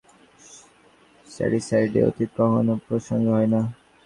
শ্যাডিসাইডে, অতীত কখনো অপ্রাসঙ্গিক হয়না।